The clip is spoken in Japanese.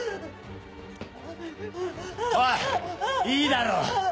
おいいいだろう。